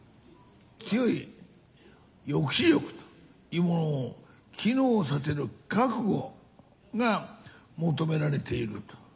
強い抑止力というものを機能させる覚悟が求められていると。